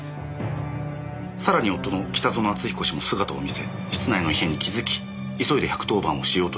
さらに夫の北薗篤彦氏も姿を見せ室内の異変に気づき急いで１１０番をしようとした時。